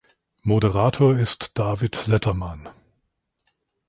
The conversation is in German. Moderator ist David Letterman.